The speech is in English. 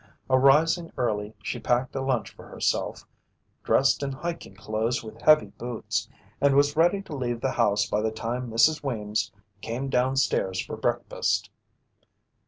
Arising early, she packed a lunch for herself, dressed in hiking clothes with heavy boots, and was ready to leave the house by the time Mrs. Weems came downstairs for breakfast.